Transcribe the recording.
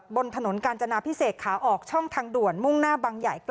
บนถนนกาญจนาพิเศษขาออกช่องทางด่วนมุ่งหน้าบังใหญ่๙